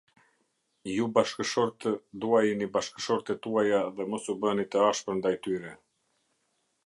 Ju bashkëshortë, duaini bashkëshortet tuaja dhe mos u bëni të ashpër ndaj tyre.